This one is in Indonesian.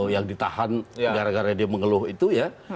yang ditahan gara gara dia mengeluh itu ya